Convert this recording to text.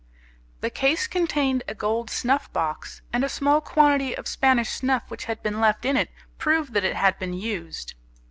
The case contained a gold snuff box, and a small quantity of Spanish snuff which had been left in it proved that it had been used.